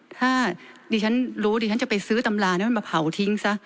ถ้าดิฉันรู้ดิฉันจะไปซื้อตำราแล้วมันมาเผาทิ้งซะ